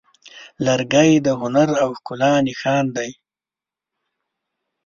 لرګی د هنر او ښکلا نښان دی.